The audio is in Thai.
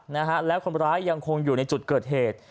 มีคนถูกฆ่าและคนร้ายอย่างคงอยู่ในจุดเกิดเหตุ